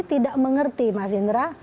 tidak mengerti mas indra